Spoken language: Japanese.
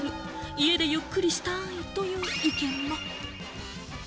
家でゆっくりしたいという意見も。